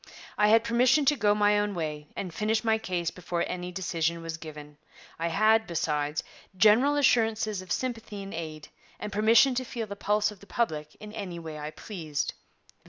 I had permission to go my own way and finish my case before any decision was given. I had, besides, general assurances of sympathy and aid, and permission to feel the pulse of the public in any way I pleased.